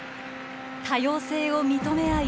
多様性を認め合い